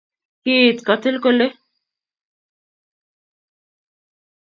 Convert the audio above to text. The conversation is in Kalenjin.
Kiit kotil kole